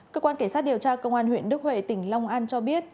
cơ quan cảnh sát điều tra công an huyện đức huệ tỉnh long an cho biết